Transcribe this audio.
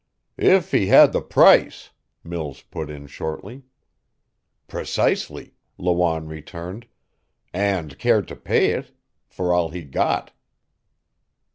"If he had the price," Mills put in shortly. "Precisely," Lawanne returned, "and cared to pay it for all he got."